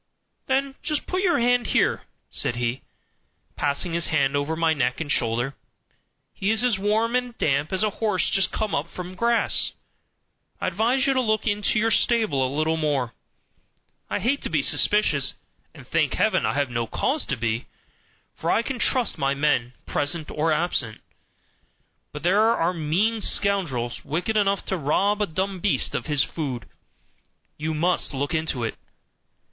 "Then just put your hand here," said he, passing his hand over my neck and shoulder; "he is as warm and damp as a horse just come up from grass. I advise you to look into your stable a little more. I hate to be suspicious, and, thank heaven, I have no cause to be, for I can trust my men, present or absent; but there are mean scoundrels, wicked enough to rob a dumb beast of his food. You must look into it."